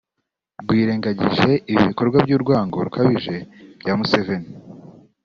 rwirengagije ibi bikorwa bw’urwango rukabije bya Museveni